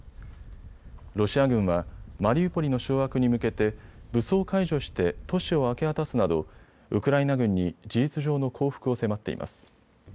ロシア軍はマリウポリの掌握に向けて武装解除して都市を明け渡すなどウクライナ軍に事実上の降伏を迫っています。